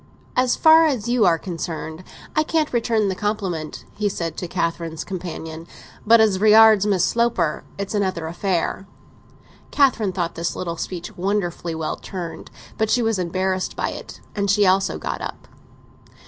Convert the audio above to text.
"As far as you are concerned, I can't return the compliment," he said to Catherine's companion. "But as regards Miss Sloper, it's another affair." Catherine thought this little speech wonderfully well turned; but she was embarrassed by it, and she also got up.